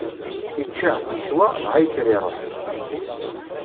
Ičča, iswa, dɣa yekker iṛuḥ.